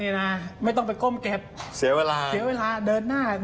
อันนี้จะกลับสรุปออกมาแล้วนะครับ